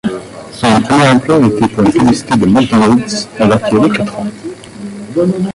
Son premier emploi était pour une publicité de McDonald's alors qu'il avait quatre ans.